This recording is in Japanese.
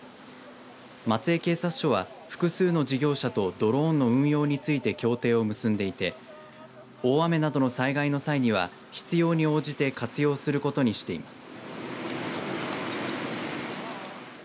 松江警察署は複数の事業者とドローンの運用について協定を結んでいて大雨などの災害の際には必要に応じて活用することにしています。